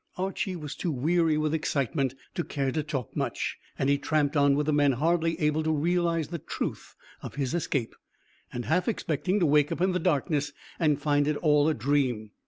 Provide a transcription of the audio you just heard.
Archy was too weary with excitement to care to talk much, and he tramped on with the men, hardly able to realise the truth of his escape, and half expecting to wake up in the darkness and find it all a dream.